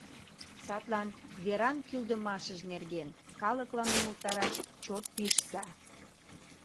Садлан веран кӱлдымашыж нерген калыклан умылтараш чот пижса...